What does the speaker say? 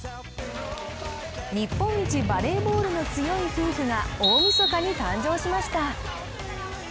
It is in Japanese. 日本一バレーボールの強い夫婦が大みそかに誕生しました。